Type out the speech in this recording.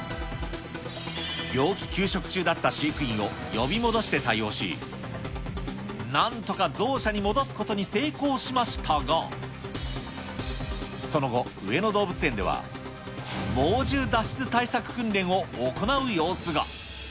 病気休職中だった飼育員を呼び戻して対応し、なんとかゾウ舎に戻すことに成功しましたが、その後、上野動物園では猛獣脱出対策訓練を行う様子が。